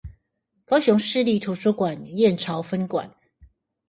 高雄市立圖書館燕巢分館